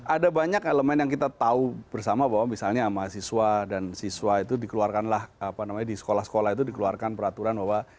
ada banyak elemen yang kita tahu bersama bahwa misalnya mahasiswa dan siswa itu dikeluarkanlah apa namanya di sekolah sekolah itu dikeluarkan peraturan bahwa